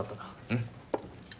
うん。